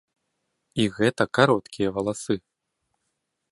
І гэта на кароткія валасы.